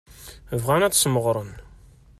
Bɣan ad t-smeɣren.